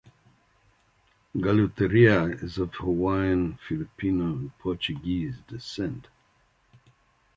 Galuteria is of Hawaiian, Filipino, and Portuguese descent.